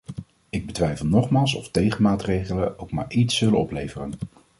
Ik betwijfel nogmaals of tegenmaatregelen ook maar iets zullen opleveren.